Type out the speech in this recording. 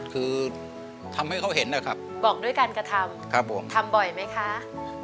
คือทำให้เขาเห็นนะครับบอกด้วยการกระทำครับผมทำบ่อยไหมคะ